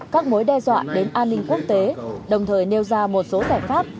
các mối đe dọa đến an ninh quốc tế đồng thời nêu ra một số giải pháp